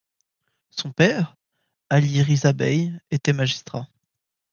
Son père, Ali Riza Bey, était magistrat.